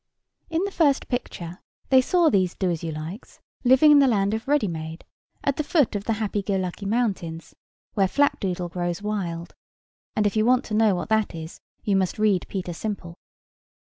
In the first picture they saw these Doasyoulikes living in the land of Readymade, at the foot of the Happy go lucky Mountains, where flapdoodle grows wild; and if you want to know what that is, you must read Peter Simple.